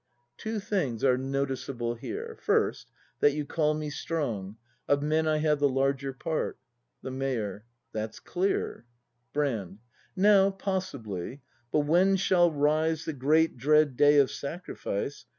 Two things are noticeable here. First, that you call me strong. Of men I have the larger part. The Mayor. That's clear. Brand. Now, possibly: but when shall rise The great dread day of sacrifice.